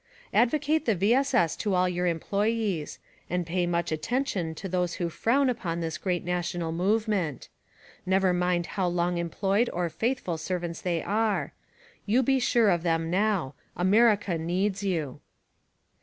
Advocate the V. S. S. to all your employees; and pay much attention to those who frown upon this great national movement. Never mind how long em.ployed or faithful servants they are; you be sure of them now. — America needs you.